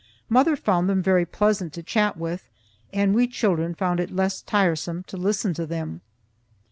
Mother found them very pleasant to chat with, and we children found it less tiresome to listen to them.